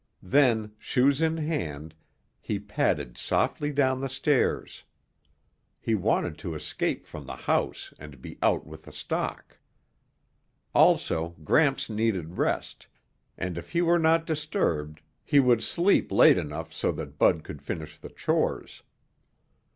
Then, shoes in hand, he padded softly down the stairs. He wanted to escape from the house and be out with the stock. Also, Gramps needed rest, and if he were not disturbed, he would sleep late enough so that Bud could finish the chores.